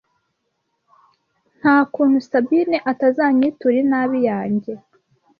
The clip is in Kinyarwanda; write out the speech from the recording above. nta kuntu Sabine atazanyitura inabi yanjye”